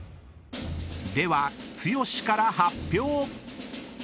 ［では剛から発表］